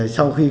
sau khi có